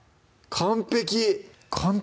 完璧！